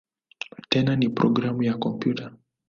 Tena ni programu ya kompyuta.